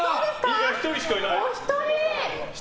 １人しかいない！